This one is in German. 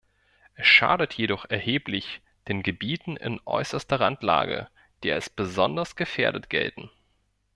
Es schadet jedoch erheblich den Gebieten in äußerster Randlage, die als besonders gefährdet gelten.